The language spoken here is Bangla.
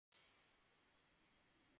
বন্ধুরা, তোমরা কী করছো?